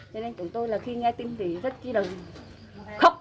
cho nên chúng tôi là khi nghe tin thì rất kỳ đồng khóc